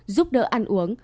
giúp đỡ ăn uống